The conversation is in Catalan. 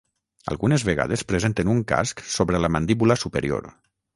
Algunes vegades presenten un casc sobre la mandíbula superior.